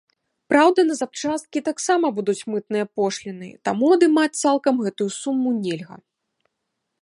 Праўда, на запчасткі таксама будуць мытныя пошліны, таму адымаць цалкам гэтую суму нельга.